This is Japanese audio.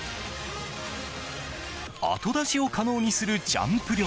後出しを可能にするジャンプ力